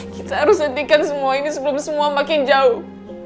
kita harus hentikan semua ini sebelum semua makin jauh